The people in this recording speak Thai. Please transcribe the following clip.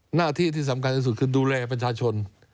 หน้าที่ที่สำคัญที่สุดคือดูแลประชาชน